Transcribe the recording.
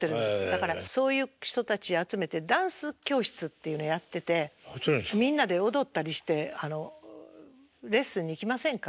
だからそういう人たち集めてダンス教室っていうのやっててみんなで踊ったりしてレッスンに行きませんか？